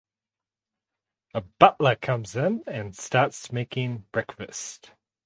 A butler comes in and starts making breakfast.